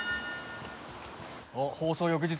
放送翌日。